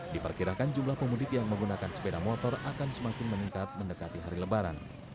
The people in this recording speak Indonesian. diperkirakan jumlah pemudik yang menggunakan sepeda motor akan semakin meningkat mendekati hari lebaran